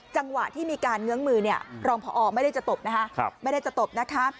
จังหวะที่มีการเงื้องมือรองผอไม่ได้จะตบนะคะ